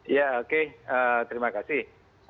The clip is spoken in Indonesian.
ya oke terima kasih